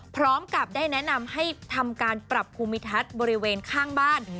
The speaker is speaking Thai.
พร้อมกับได้แนะนำให้ทำการปรับภูมิทัศน์บริเวณข้างบ้าน